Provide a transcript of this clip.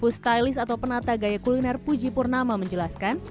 food stylist atau penata gaya kuliner pujipurnama menjelaskan